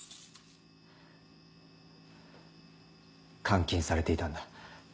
監禁されていたんだ。